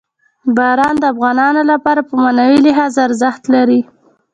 باران د افغانانو لپاره په معنوي لحاظ ارزښت لري.